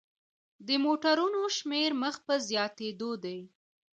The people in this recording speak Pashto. د موټرونو شمیر مخ په زیاتیدو دی.